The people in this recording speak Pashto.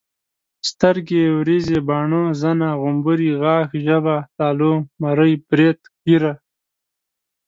سترګي ، وريزي، باڼه، زنه، غمبوري، غاښ، ژبه ،تالو، مرۍ، بريت، ګيره